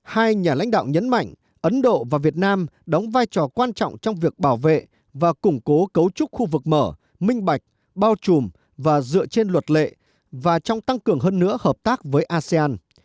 hai nhà lãnh đạo nhấn mạnh ấn độ và việt nam đóng vai trò quan trọng trong việc bảo vệ và củng cố cấu trúc khu vực mở minh bạch bao trùm và dựa trên luật lệ và trong tăng cường hơn nữa hợp tác với asean